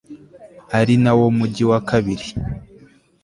ari na wo mugi wa kabiri